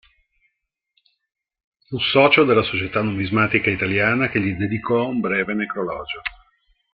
Fu socio dell'Società numismatica italiana, che gli dedicò un breve necrologio.